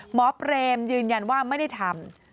เปรมยืนยันว่าไม่ได้ทำ